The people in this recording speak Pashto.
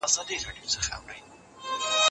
الله تعالی بښونکی دی.